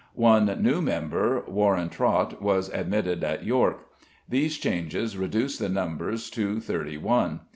One new member, Warin Trot, was admitted at York. These changes reduced the numbers to thirty one.